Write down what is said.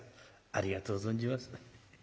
ありがとう存じます」。